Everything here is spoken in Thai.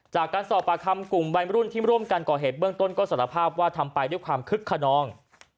จากการสอบปากคำกลุ่มวัยรุ่นที่ร่วมกันก่อเหตุเบื้องต้นก็สารภาพว่าทำไปด้วยความคึกขนอง